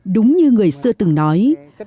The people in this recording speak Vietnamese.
đúng như người xưa từng nói